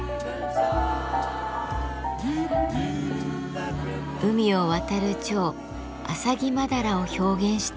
海を渡る蝶アサギマダラを表現した帯。